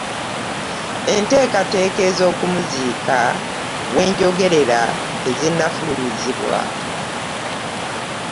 Enteekateeka z'okumuziika wetwogerera tezinnafulumizibwa.